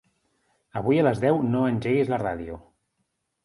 Avui a les deu no engeguis la ràdio.